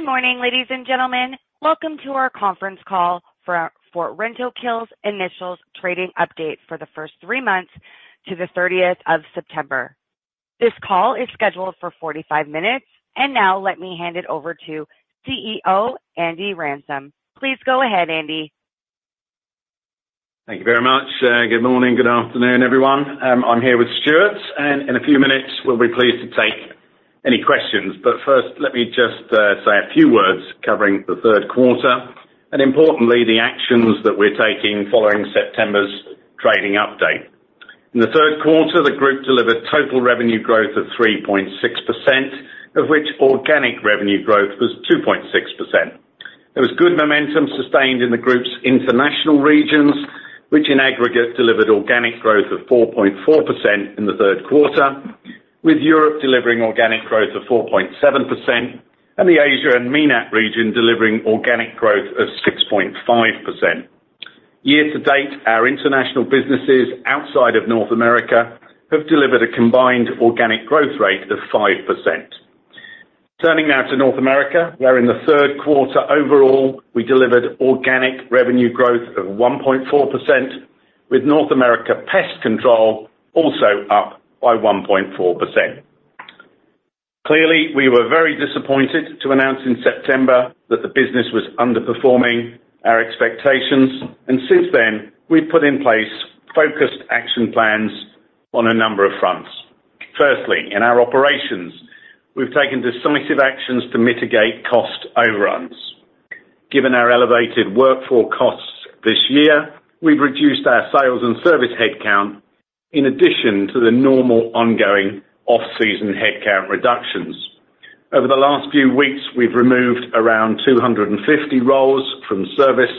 Good morning, ladies and gentlemen. Welcome to our conference call for our Rentokil Initial's Trading Update for the Three Months to the 30th of September. This call is scheduled for 45 minutes, and now let me hand it over to CEO, Andy Ransom. Please go ahead, Andy. Thank you very much. Good morning, good afternoon, everyone. I'm here with Stuart, and in a few minutes, we'll be pleased to take any questions. But first, let me just say a few words covering the third quarter, and importantly, the actions that we're taking following the September trading update. In the third quarter, the group delivered total revenue growth of 3.6%, of which organic revenue growth was 2.6%. There was good momentum sustained in the group's international regions, which in aggregate, delivered organic growth of 4.4% in the third quarter, with Europe delivering organic growth of 4.7% and the Asia and MENAT region delivering organic growth of 6.5%. Year to date, our international businesses outside of North America have delivered a combined organic growth rate of 5%. Turning now to North America, where in the third quarter overall, we delivered organic revenue growth of 1.4%, with North America Pest Control also up by 1.4%. Clearly, we were very disappointed to announce in September that the business was underperforming our expectations, and since then, we've put in place focused action plans on a number of fronts. Firstly, in our operations, we've taken decisive actions to mitigate cost overruns. Given our elevated workforce costs this year, we've reduced our sales and service headcount in addition to the normal ongoing off-season headcount reductions. Over the last few weeks, we've removed around 250 roles from service,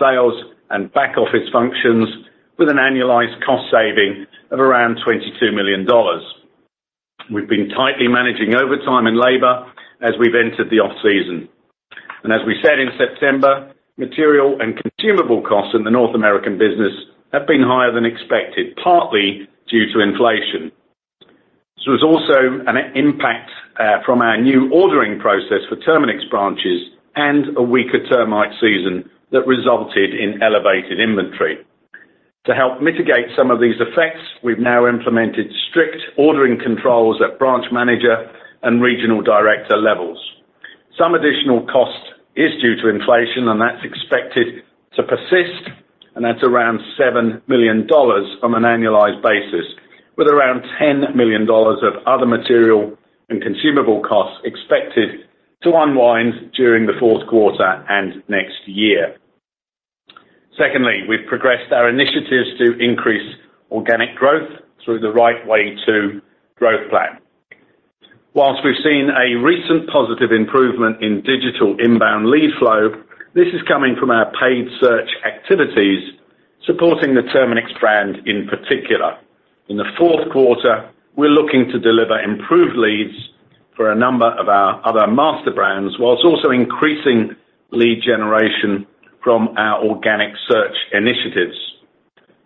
sales, and back-office functions with an annualized cost saving of around $22 million. We've been tightly managing overtime and labor as we've entered the off-season. As we said in September, material and consumable costs in the North American business have been higher than expected, partly due to inflation. This was also an impact from our new ordering process for Terminix branches and a weaker termite season that resulted in elevated inventory. To help mitigate some of these effects, we've now implemented strict ordering controls at branch manager and regional director levels. Some additional cost is due to inflation, and that's expected to persist, and that's around $7 million on an annualized basis, with around $10 million of other material and consumable costs expected to unwind during the fourth quarter and next year. Secondly, we've progressed our initiatives to increase organic growth through the Right Way 2 growth plan. While we've seen a recent positive improvement in digital inbound lead flow, this is coming from our paid search activities, supporting the Terminix brand in particular. In the fourth quarter, we're looking to deliver improved leads for a number of our other master brands, while also increasing lead generation from our organic search initiatives.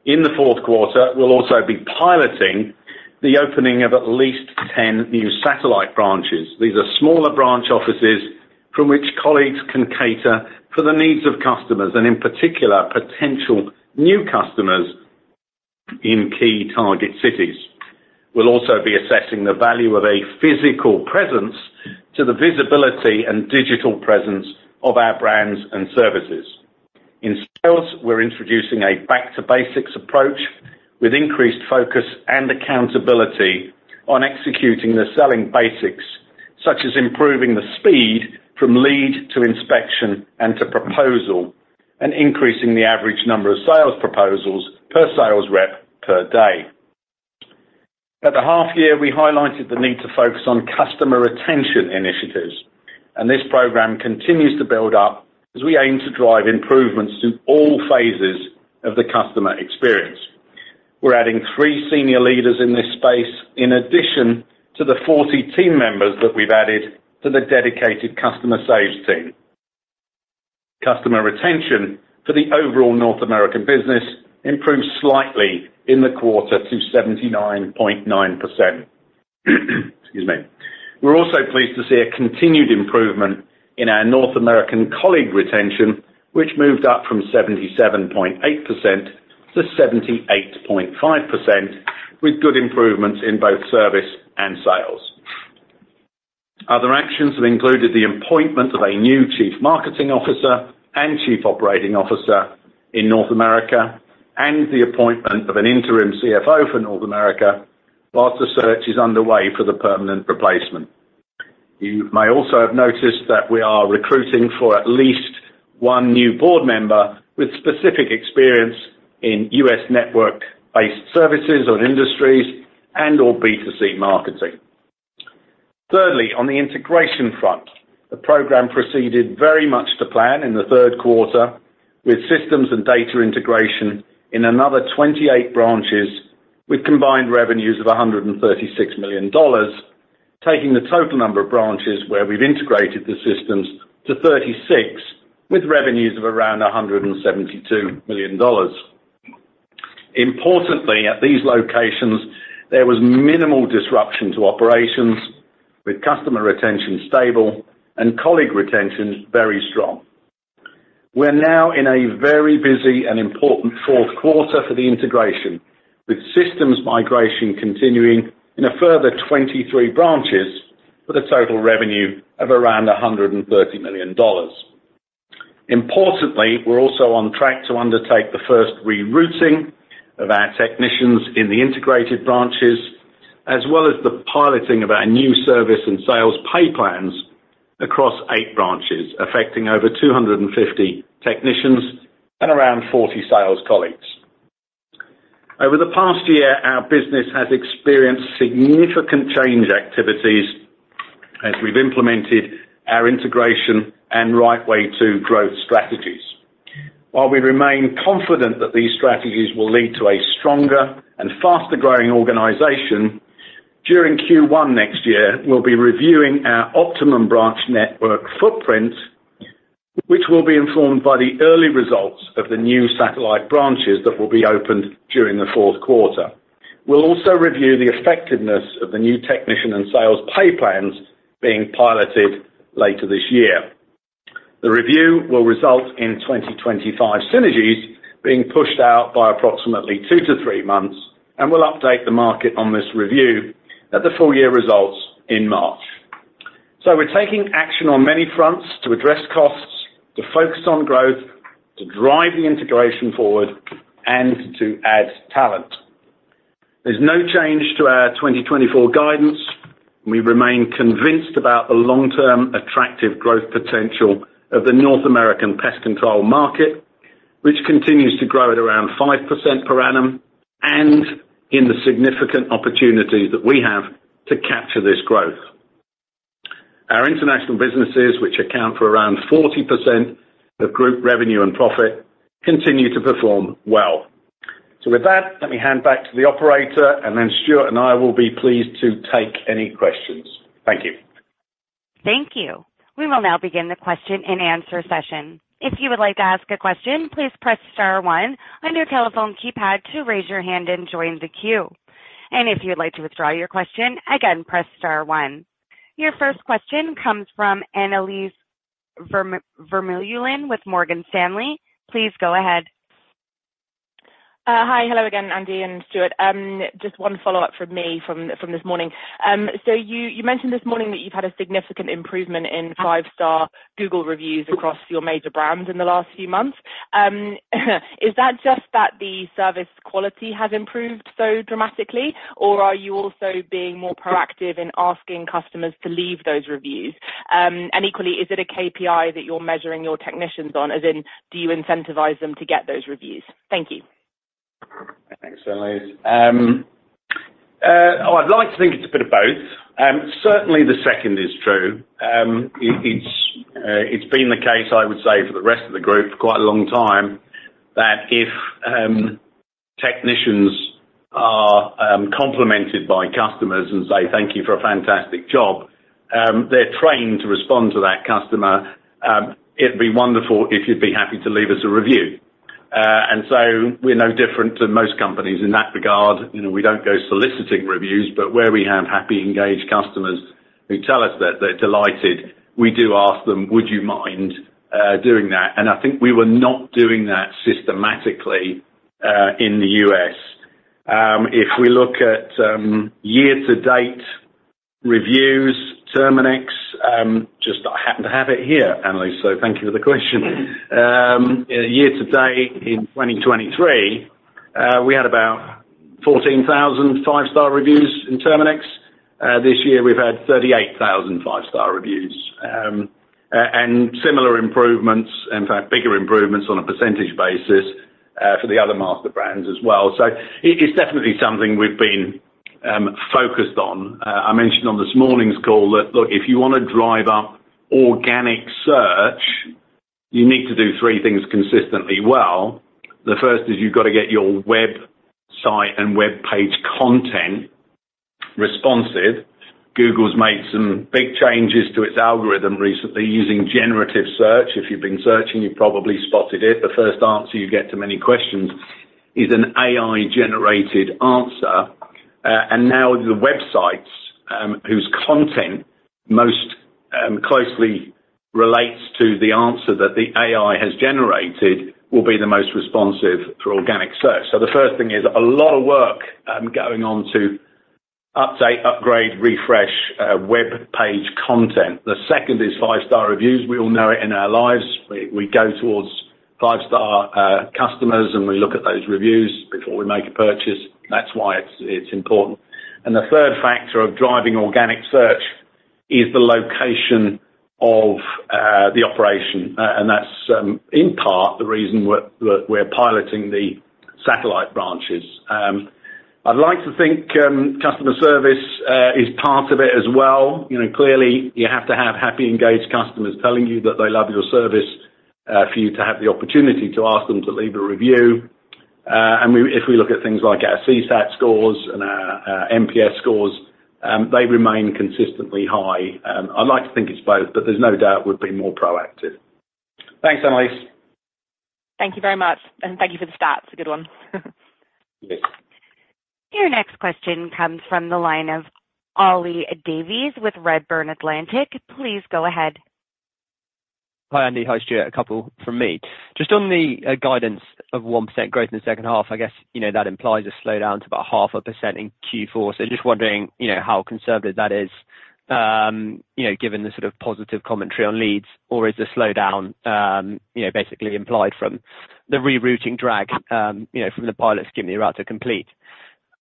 In the fourth quarter, we'll also be piloting the opening of at least 10 new satellite branches. These are smaller branch offices from which colleagues can cater for the needs of customers, and in particular, potential new customers in key target cities. We'll also be assessing the value of a physical presence to the visibility and digital presence of our brands and services. In sales, we're introducing a back-to-basics approach with increased focus and accountability on executing the selling basics, such as improving the speed from lead to inspection and to proposal, and increasing the average number of sales proposals per sales rep per day. At the half year, we highlighted the need to focus on customer retention initiatives, and this program continues to build up as we aim to drive improvements to all phases of the customer experience. We're adding three senior leaders in this space, in addition to the 40 team members that we've added to the dedicated customer sales team. Customer retention for the overall North American business improved slightly in the quarter to 79.9%. Excuse me. We're also pleased to see a continued improvement in our North American colleague retention, which moved up from 77.8% to 78.5%, with good improvements in both service and sales. Other actions have included the appointment of a new Chief Marketing Officer and Chief Operating Officer in North America, and the appointment of an interim CFO for North America, while the search is underway for the permanent replacement. You may also have noticed that we are recruiting for at least one new Board Member with specific experience in U.S. network-based services or industries and/or B2C marketing. Thirdly, on the integration front, the program proceeded very much to plan in the third quarter with systems and data integration in another 28 branches, with combined revenues of $136 million, taking the total number of branches where we've integrated the systems to 36, with revenues of around $172 million. Importantly, at these locations, there was minimal disruption to operations, with customer retention stable and colleague retention very strong. We're now in a very busy and important fourth quarter for the integration, with systems migration continuing in a further 23 branches, with a total revenue of around $130 million. Importantly, we're also on track to undertake the first rerouting of our technicians in the integrated branches, as well as the piloting of our new service and sales pay plans across eight branches, affecting over 250 technicians and around 40 sales colleagues. Over the past year, our business has experienced significant change activities as we've implemented our integration and Right Way 2 growth strategies. While we remain confident that these strategies will lead to a stronger and faster-growing organization, during Q1 next year, we'll be reviewing our optimum branch network footprint, which will be informed by the early results of the new Satellite branches that will be opened during the fourth quarter. We'll also review the effectiveness of the new technician and sales pay plans being piloted later this year. The review will result in 2025 synergies being pushed out by approximately 2-3 months, and we'll update the market on this review at the full year results in March. We're taking action on many fronts to address costs, to focus on growth, to drive the integration forward, and to add talent. There's no change to our 2024 guidance. We remain convinced about the long-term attractive growth potential of the North American pest control market, which continues to grow at around 5% per annum, and in the significant opportunities that we have to capture this growth. Our international businesses, which account for around 40% of group revenue and profit, continue to perform well. With that, let me hand back to the operator, and then Stuart and I will be pleased to take any questions. Thank you. Thank you. We will now begin the question-and-answer session. If you would like to ask a question, please press star one on your telephone keypad to raise your hand and join the queue, and if you'd like to withdraw your question, again, press star one. Your first question comes from Annelies Vermeulen with Morgan Stanley. Please go ahead. Hi. Hello again, Andy and Stuart. Just one follow-up from me from this morning. So you mentioned this morning that you've had a significant improvement in five-star Google reviews across your major brands in the last few months. Is that just that the service quality has improved so dramatically, or are you also being more proactive in asking customers to leave those reviews? And equally, is it a KPI that you're measuring your technicians on? As in, do you incentivize them to get those reviews? Thank you. Thanks, Annelies. I'd like to think it's a bit of both. Certainly, the second is true. It's been the case, I would say, for the rest of the group for quite a long time, that if technicians are complimented by customers and say, "Thank you for a fantastic job," they're trained to respond to that customer. "It'd be wonderful if you'd be happy to leave us a review." And so we're no different to most companies in that regard. You know, we don't go soliciting reviews, but where we have happy, engaged customers who tell us that they're delighted, we do ask them, "Would you mind doing that?" And I think we were not doing that systematically in the U.S. If we look at year-to-date reviews, Terminix, just I happen to have it here, Annelies, so thank you for the question. Year to date, in 2023, we had about 14,000 five-star reviews in Terminix. This year we've had 38,000 five-star reviews and similar improvements, in fact, bigger improvements on a percentage basis, for the other master brands as well. So it, it's definitely something we've been focused on. I mentioned on this morning's call that, look, if you wanna drive up organic search, you need to do three things consistently well. The first is you've got to get your website and webpage content responsive. Google's made some big changes to its algorithm recently, using generative search. If you've been searching, you've probably spotted it. The first answer you get to many questions is an AI-generated answer. And now the websites whose content most closely relates to the answer that the AI has generated will be the most responsive for organic search. So the first thing is a lot of work going on to update, upgrade, refresh web page content. The second is five-star reviews. We all know it in our lives. We go towards five-star customers, and we look at those reviews before we make a purchase. That's why it's important. And the third factor of driving organic search is the location of the operation. And that's in part the reason we're piloting the satellite branches. I'd like to think customer service is part of it as well. You know, clearly, you have to have happy, engaged customers telling you that they love your service for you to have the opportunity to ask them to leave a review. If we look at things like our CSAT scores, NPS scores, they remain consistently high. I'd like to think it's both, but there's no doubt we've been more proactive. Thanks, Annelies. Thank you very much, and thank you for the stats, a good one. Yes. Your next question comes from the line of Ollie Davies with Redburn Atlantic. Please go ahead. Hi, Andy. Hi, Stuart. A couple from me. Just on the guidance of 1% growth in the second half, I guess, you know, that implies a slowdown to about 0.5% in Q4. So just wondering, you know, how conservative that is, you know, given the sort of positive commentary on leads, or is the slowdown, you know, basically implied from the rerouting drag, you know, from the pilot scheme you're about to complete?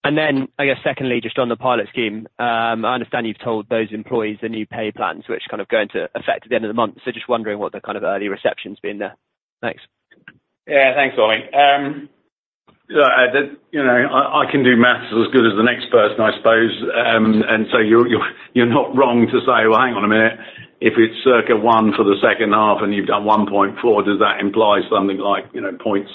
And then, I guess secondly, just on the pilot scheme, I understand you've told those employees the new pay plans, which kind of go into effect at the end of the month. So just wondering what the kind of early reception's been there. Thanks. Yeah, thanks, Ollie. Yeah, you know, I can do math as good as the next person, I suppose, and so you're not wrong to say, "Well, hang on a minute. If it's circa one for the second half, and you've done 1.4, does that imply something like, you know, 0.6?"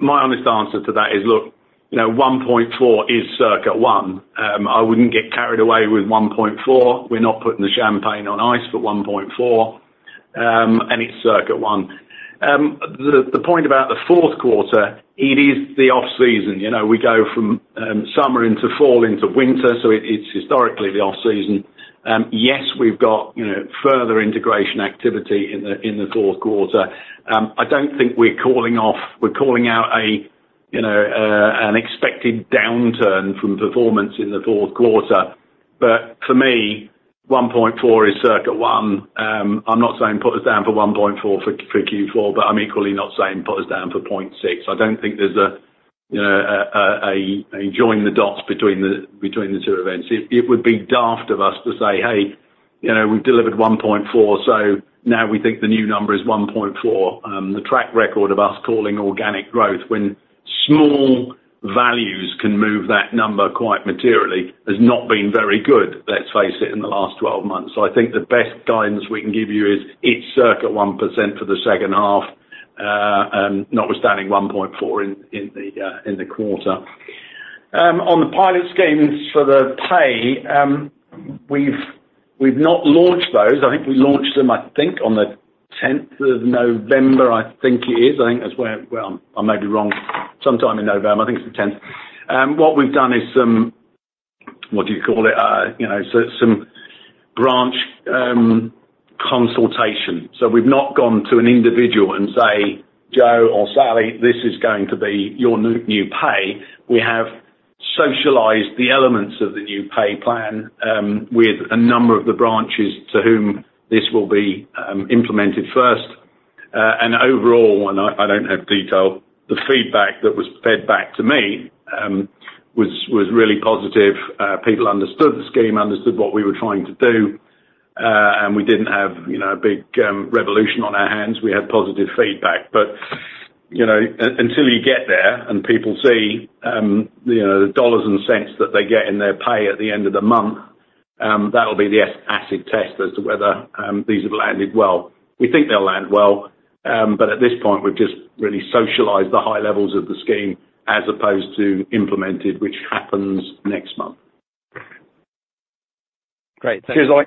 My honest answer to that is, look, you know, 1.4 is circa one. I wouldn't get carried away with 1.4. We're not putting the champagne on ice for 1.4, and it's circa one. The point about the fourth quarter, it is the off-season. You know, we go from summer into fall into winter, so it's historically the off-season. Yes, we've got, you know, further integration activity in the fourth quarter. I don't think we're calling off. We're calling out, you know, an expected downturn from performance in the fourth quarter. But for me, 1.4 is circa one. I'm not saying put us down for 1.4 for Q4, but I'm equally not saying put us down for 0.6. I don't think there's, you know, a join the dots between the two events. It would be daft of us to say, "Hey, you know, we've delivered 1.4, so now we think the new number is 1.4." The track record of us calling organic growth when small values can move that number quite materially has not been very good, let's face it, in the last twelve months. So I think the best guidance we can give you is it's circa 1% for the second half, notwithstanding 1.4% in the quarter. On the pilot schemes for the pay, we've not launched those. I think we launched them, I think, on the 10th of November, I think it is. I think that's where. Well, I may be wrong. Sometime in November, I think it's the 10th. What we've done is some, what do you call it? You know, so some branch consultation. So we've not gone to an individual and say, "Joe or Sally, this is going to be your new pay." We have socialized the elements of the new pay plan with a number of the branches to whom this will be implemented first. And overall, I don't have detail, the feedback that was fed back to me was really positive. People understood the scheme, understood what we were trying to do, and we didn't have, you know, a big revolution on our hands. We had positive feedback, but you know, until you get there and people see, you know, the dollars and cents that they get in their pay at the end of the month, that'll be the acid test as to whether these have landed well. We think they'll land well, but at this point, we've just really socialized the high levels of the scheme as opposed to implemented, which happens next month. Great. Thank you. Cheers, Ollie.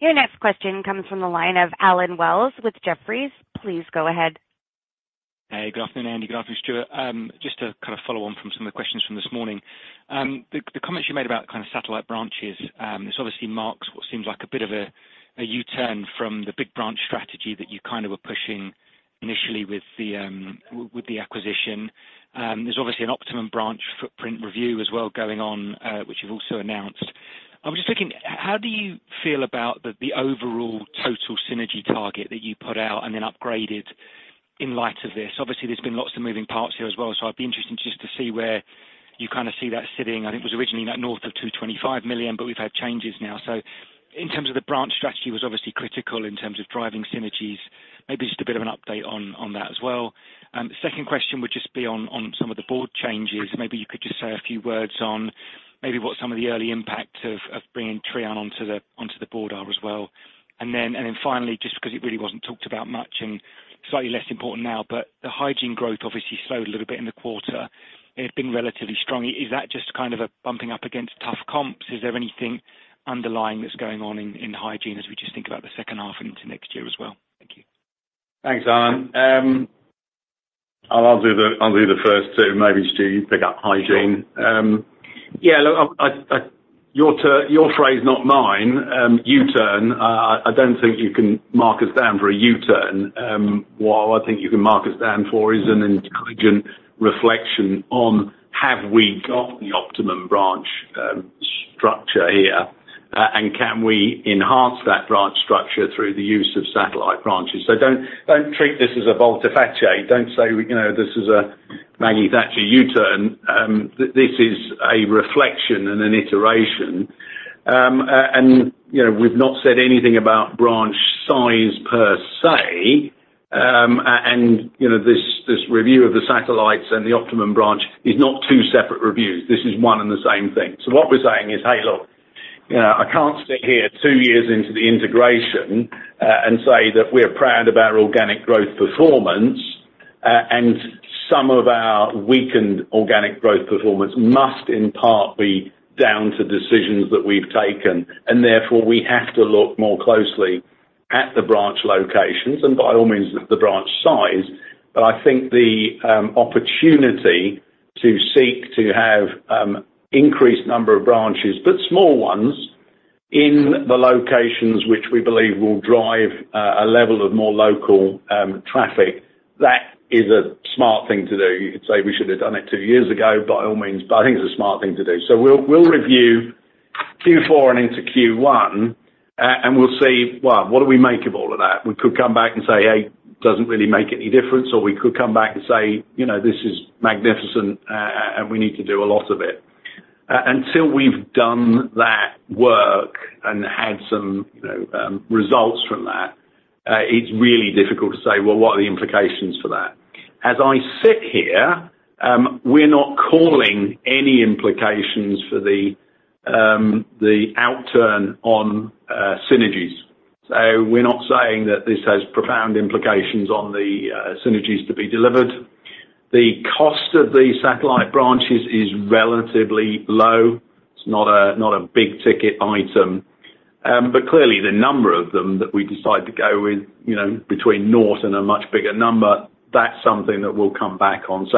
Your next question comes from the line of Allen Wells with Jefferies. Please go ahead. Hey, good afternoon, Andy. Good afternoon, Stuart. Just to kind of follow on from some of the questions from this morning. The comments you made about kind of satellite branches, this obviously marks what seems like a bit of a U-turn from the big branch strategy that you kind of were pushing initially with the acquisition. There's obviously an optimum branch footprint review as well going on, which you've also announced. I was just thinking, how do you feel about the overall total synergy target that you put out and then upgraded in light of this? Obviously, there's been lots of moving parts here as well, so I'd be interested just to see where you kind of see that sitting. I think it was originally north of $225 million, but we've had changes now. So in terms of the branch strategy, was obviously critical in terms of driving synergies. Maybe just a bit of an update on that as well. Second question would just be on some of the Board changes. Maybe you could just say a few words on what some of the early impacts of bringing Trian onto the Board are as well. And then finally, just because it really wasn't talked about much and slightly less important now, but the hygiene growth obviously slowed a little bit in the quarter. It had been relatively strong. Is that just kind of a bumping up against tough comps? Is there anything underlying that's going on in hygiene as we just think about the second half and into next year as well? Thank you. Thanks, Allen. I'll do the first two, and maybe Stuart, you pick up hygiene. Sure. Yeah, look, your phrase, not mine, U-turn. I don't think you can mark us down for a U-turn. What I think you can mark us down for is an intelligent reflection on, have we got the optimum branch structure here? And can we enhance that branch structure through the use of satellite branches? So don't treat this as a volte-face. Don't say, you know, this is a Maggie Thatcher U-turn. This is a reflection and an iteration. And, you know, we've not said anything about branch size per se. And, you know, this review of the satellites and the optimum branch is not two separate reviews. This is one and the same thing. So what we're saying is, "Hey, look." You know, I can't sit here two years into the integration, and say that we're proud of our organic growth performance, and some of our weakened organic growth performance must in part be down to decisions that we've taken, and therefore, we have to look more closely at the branch locations, and by all means, the branch size, but I think the opportunity to seek to have increased number of branches, but small ones, in the locations which we believe will drive a level of more local traffic, that is a smart thing to do. You could say we should have done it two years ago, by all means, but I think it's a smart thing to do, so we'll review Q4 and into Q1, and we'll see, one, what do we make of all of that? We could come back and say, "Hey, doesn't really make any difference," or we could come back and say, "You know, this is magnificent, and we need to do a lot of it." Until we've done that work and had some, you know, results from that, it's really difficult to say, well, what are the implications for that? As I sit here, we're not calling any implications for the, the outturn on, synergies. So we're not saying that this has profound implications on the, synergies to be delivered. The cost of the satellite branches is relatively low. It's not a, not a big-ticket item. But clearly, the number of them that we decide to go with, you know, between North and a much bigger number, that's something that we'll come back on.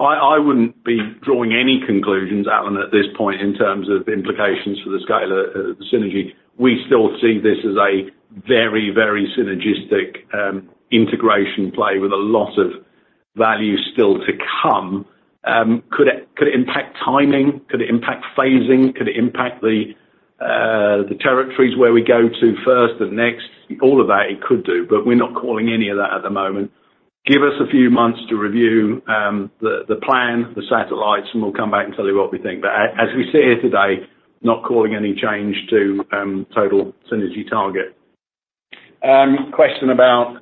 I wouldn't be drawing any conclusions, Allen, at this point, in terms of implications for the scale of the synergy. We still see this as a very, very synergistic integration play with a lot of value still to come. Could it impact timing? Could it impact phasing? Could it impact the territories where we go to first and next? All of that it could do, but we're not calling any of that at the moment. Give us a few months to review the plan, the satellites, and we'll come back and tell you what we think. But as we sit here today, not calling any change to total synergy target. Question about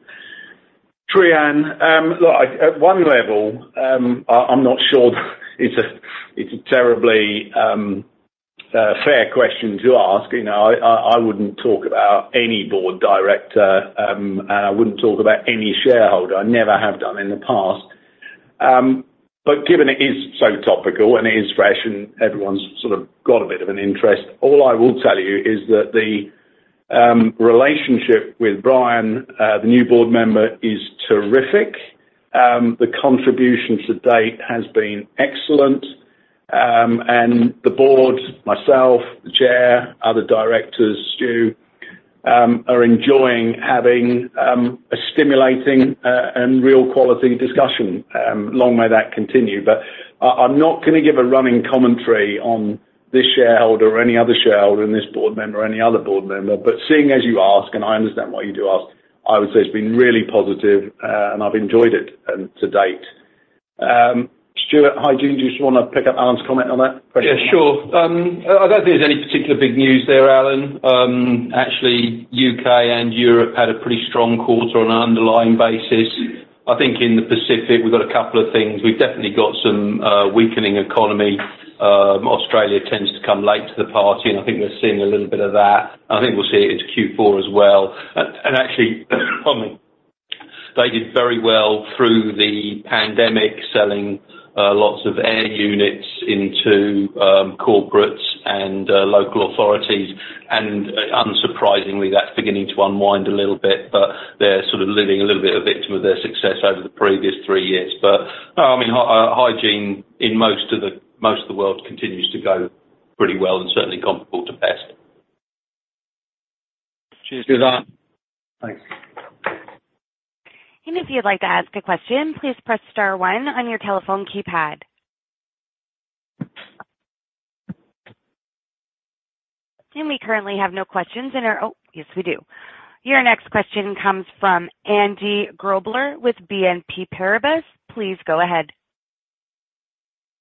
Trian. Look, at one level, I'm not sure it's a terribly fair question to ask. You know, I wouldn't talk about any Board Director, and I wouldn't talk about any shareholder. I never have done in the past. But given it is so topical and it is fresh, and everyone's sort of got a bit of an interest, all I will tell you is that the relationship with Brian, the new Board Member, is terrific. The contribution to date has been excellent. And the Board, myself, the chair, other directors, Stu, are enjoying having a stimulating and real quality discussion. Long may that continue. I am not gonna give a running commentary on this shareholder or any other shareholder and this Board Member or any other Board Member. But seeing as you ask, and I understand why you do ask, I would say it's been really positive, and I've enjoyed it, to date. Stuart, hygiene, do you just wanna pick up Allen's comment on that? Yeah, sure. I don't think there's any particular big news there, Allen. Actually, U.K., and Europe had a pretty strong quarter on an underlying basis. I think in the Pacific, we've got a couple of things. We've definitely got some weakening economy. Australia tends to come late to the party, and I think we're seeing a little bit of that. I think we'll see it into Q4 as well. And actually, pardon me, they did very well through the pandemic, selling lots of air units into corporates and local authorities, and unsurprisingly, that's beginning to unwind a little bit, but they're sort of living a little bit a victim of their success over the previous three years. But I mean, hygiene in most of the world continues to go pretty well and certainly comparable to best. Cheers. Thanks. And if you'd like to ask a question, please press star one on your telephone keypad. And we currently have no questions in our... Oh, yes, we do. Your next question comes from Andy Grobler with BNP Paribas. Please go ahead.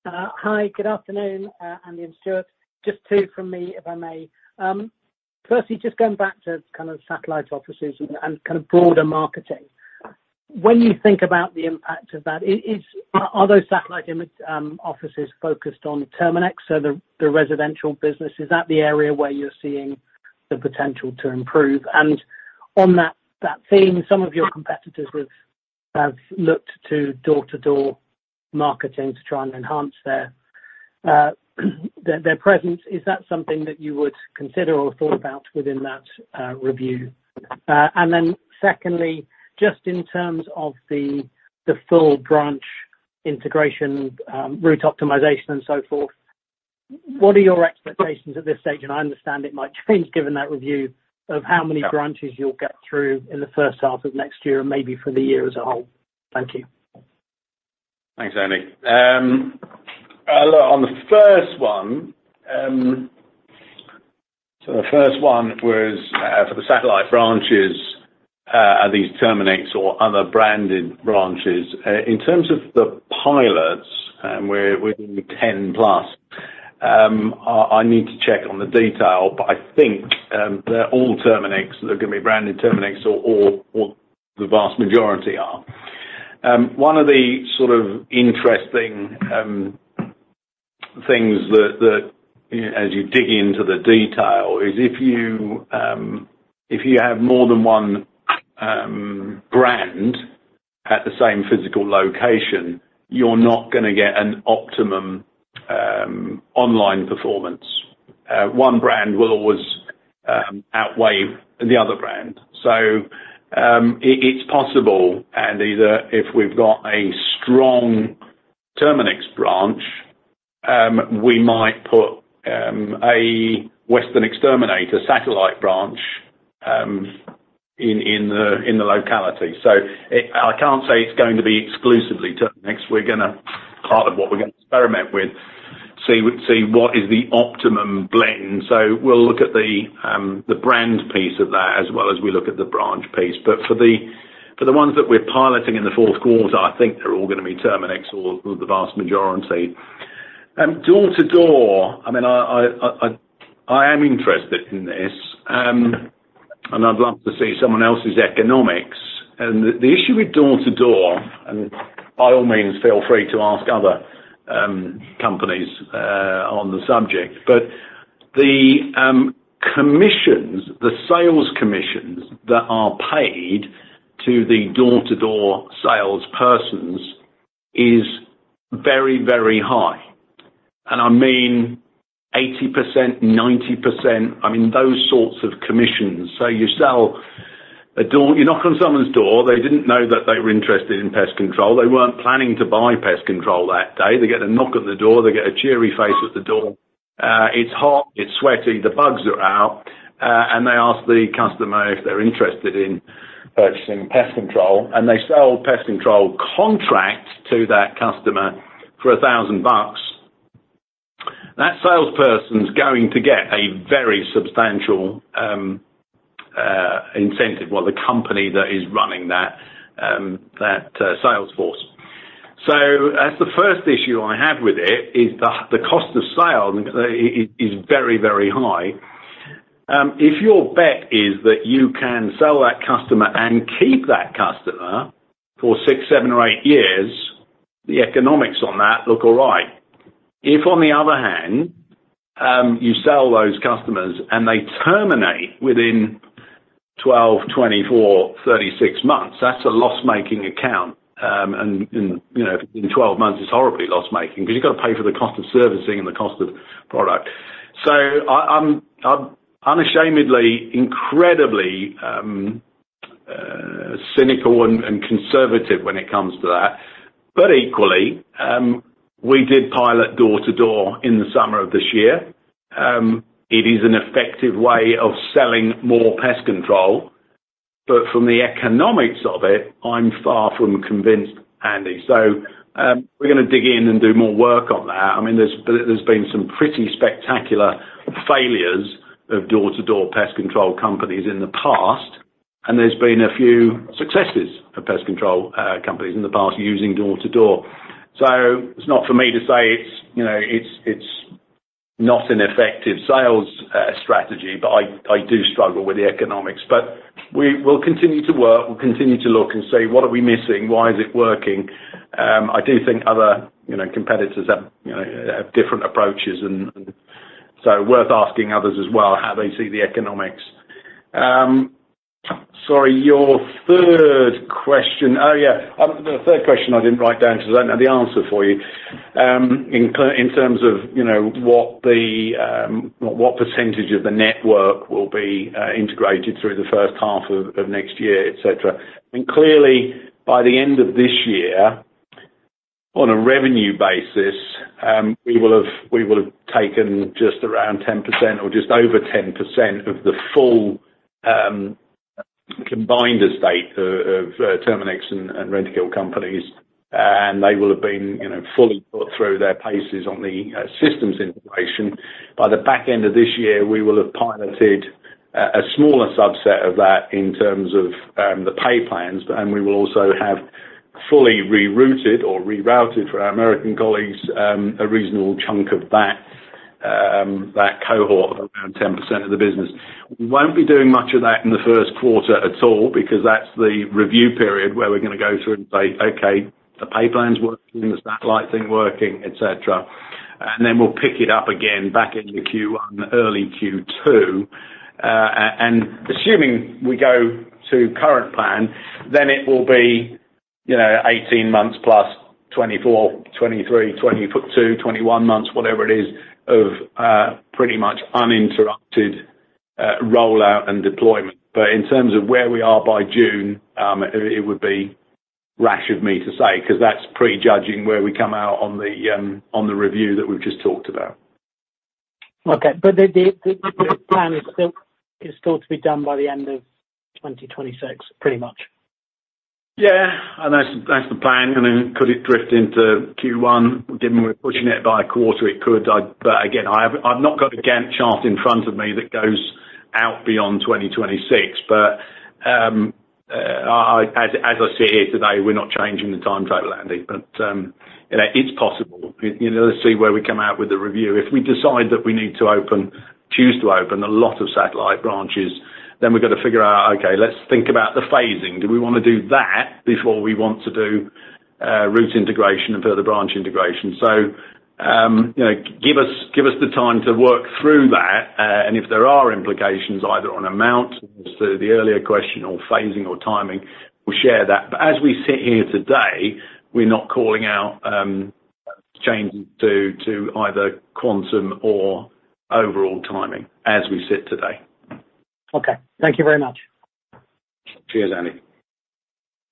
Hi. Good afternoon, Andy and Stuart. Just two from me, if I may. Firstly, just going back to kind of satellite offices and kind of broader marketing. When you think about the impact of that, are those satellite offices focused on Terminix or the residential business? Is that the area where you're seeing the potential to improve? And on that theme, some of your competitors have looked to door-to-door marketing to try and enhance their presence. Is that something that you would consider or thought about within that review? And then secondly, just in terms of the full branch integration, route optimization and so forth, what are your expectations at this stage? I understand it might change, given that review, of how many branches you'll get through in the first half of next year and maybe for the year as a whole. Thank you. Thanks, Andy. Look, on the first one, so the first one was for the satellite branches, are these Terminix or other branded branches? In terms of the pilots, and we're 10+, I need to check on the detail, but I think they're all Terminix. They're gonna be branded Terminix or the vast majority are. One of the sort of interesting things that as you dig into the detail is if you have more than one brand at the same physical location, you're not gonna get an optimum online performance. One brand will always outweigh the other brand. So, it's possible, Andy, that if we've got a strong Terminix branch, we might put a Western Exterminator satellite branch in the locality. So, I can't say it's going to be exclusively Terminix. We're gonna, part of what we're gonna experiment with, see what is the optimum blend. So we'll look at the brand piece of that as well as we look at the branch piece. But for the ones that we're piloting in the fourth quarter, I think they're all gonna be Terminix or the vast majority. Door-to-door, I mean, I am interested in this, and I'd love to see someone else's economics. The issue with door-to-door, and by all means, feel free to ask other companies on the subject, but the commissions, the sales commissions that are paid to the door-to-door salespersons is very, very high. And I mean, 80%, 90%, I mean, those sorts of commissions. So you knock on someone's door, they didn't know that they were interested in pest control. They weren't planning to buy pest control that day. They get a knock on the door, they get a cheery face at the door. It's hot, it's sweaty, the bugs are out, and they ask the customer if they're interested in purchasing pest control, and they sell pest control contract to that customer for $1,000. That salesperson's going to get a very substantial incentive. Well, the company that is running that sales force. So that's the first issue I have with it, is the cost of sale is very, very high. If your bet is that you can sell that customer and keep that customer for six, seven, or eight years, the economics on that look all right. If, on the other hand, you sell those customers and they terminate within 12, 24, 36 months, that's a loss-making account. And you know, in 12 months, it's horribly loss-making because you've got to pay for the cost of servicing and the cost of product. So I'm unashamedly, incredibly cynical and conservative when it comes to that. But equally, we did pilot door-to-door in the summer of this year. It is an effective way of selling more pest control, but from the economics of it, I'm far from convinced, Andy. So, we're gonna dig in and do more work on that. I mean, there's been some pretty spectacular failures of door-to-door pest control companies in the past, and there's been a few successes of pest control companies in the past using door-to-door. So it's not for me to say it's, you know, it's not an effective sales strategy, but I do struggle with the economics. But we'll continue to work, we'll continue to look and see what are we missing, why is it working. I do think other, you know, competitors have different approaches, and so worth asking others as well, how they see the economics. Sorry, your third question? Oh, yeah. The third question I didn't write down because I don't know the answer for you. In terms of, you know, what percentage of the network will be integrated through the first half of next year, et cetera. I mean, clearly, by the end of this year, on a revenue basis, we will have taken just around 10% or just over 10% of the full combined estate of Terminix and Rentokil companies, and they will have been, you know, fully put through their paces on the systems integration. By the back end of this year, we will have piloted a smaller subset of that in terms of the pay plans, but and we will also have fully rerouted or rerouted for our American colleagues a reasonable chunk of that that cohort of around 10% of the business. Won't be doing much of that in the first quarter at all, because that's the review period where we're gonna go through and say, "Okay, the pay plan's working, the satellite thing working," et cetera. Then we'll pick it up again back into Q1, early Q2. And assuming we go to current plan, then it will be, you know, eighteen months plus twenty-four, twenty-three, twenty-two, twenty-one months, whatever it is, of pretty much uninterrupted rollout and deployment. But in terms of where we are by June, it would be rash of me to say, because that's prejudging where we come out on the review that we've just talked about. Okay, but the plan is still to be done by the end of 2026, pretty much? Yeah, and that's, that's the plan, and then could it drift into Q1? Given we're pushing it by a quarter, it could. But again, I have. I've not got a Gantt chart in front of me that goes out beyond 2026. But, as I sit here today, we're not changing the timetable, Andy. But, you know, it's possible. You know, let's see where we come out with the review. If we decide that we need to open, choose to open a lot of satellite branches, then we've got to figure out, okay, let's think about the phasing. Do we wanna do that before we want to do, route integration and further branch integration? You know, give us the time to work through that, and if there are implications, either on amount, to the earlier question, or phasing or timing, we'll share that. But as we sit here today, we're not calling out changes to either quantum or overall timing, as we sit today. Okay. Thank you very much. Cheers, Andy.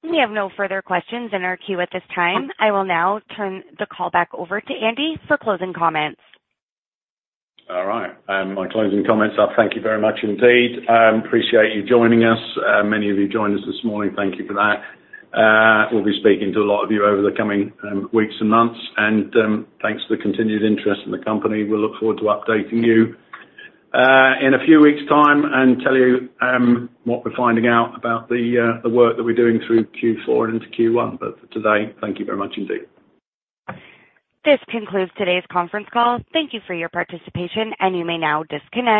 We have no further questions in our queue at this time. I will now turn the call back over to Andy for closing comments. All right, my closing comments are, thank you very much indeed. Appreciate you joining us. Many of you joined us this morning, thank you for that. We'll be speaking to a lot of you over the coming weeks and months, and thanks for the continued interest in the company. We'll look forward to updating you in a few weeks' time and tell you what we're finding out about the work that we're doing through Q4 and into Q1. But for today, thank you very much indeed. This concludes today's conference call. Thank you for your participation, and you may now disconnect.